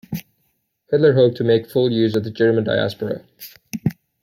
Hitler hoped to make full use of the German Diaspora.